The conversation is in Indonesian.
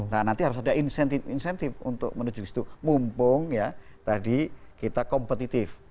nah nanti harus ada insentif insentif untuk menuju ke situ mumpung ya tadi kita kompetitif